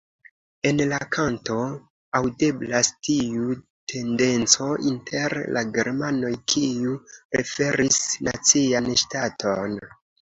En la kanto aŭdeblas tiu tendenco inter la germanoj kiu preferis nacian ŝtaton.